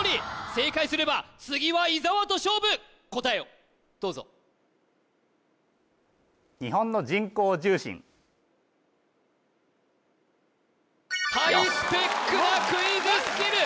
正解すれば次は伊沢と勝負答えをどうぞハイスペックなクイズスキル